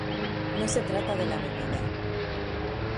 No se trata de la bebida.